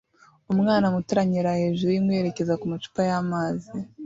Umwana muto aranyerera hejuru yinkwi yerekeza kumacupa yamazi